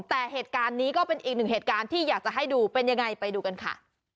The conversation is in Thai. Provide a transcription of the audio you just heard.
แต่เหตุการณ์นี้ก็เป็นอีกหนึ่งเหตุการณ์ที่อยากจะให้ดูเป็นยังไงไปดูกันค่ะ